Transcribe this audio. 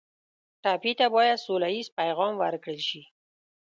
ټپي ته باید سوله ییز پیغام ورکړل شي.